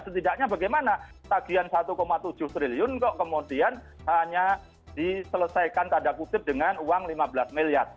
setidaknya bagaimana tagihan satu tujuh triliun kok kemudian hanya diselesaikan tanda kutip dengan uang lima belas miliar